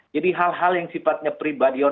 jadi hal hal yang sifatnya pribadional